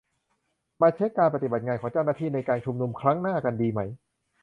มาเช็คการปฏิบัติงานของเจ้าหน้าที่ ในการชุมนุมครั้งหน้ากันดีไหม ?